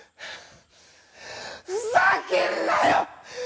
ふざけんなよ！